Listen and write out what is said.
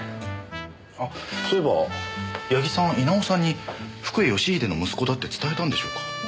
あそういえば矢木さん稲尾さんに福栄義英の息子だって伝えたんでしょうか？